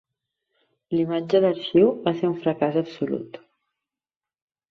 La imatge d'arxiu va ser un fracàs absolut.